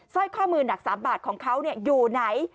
สร้อยข้อมือหนัก๓บาทของเขาอยู่ไหน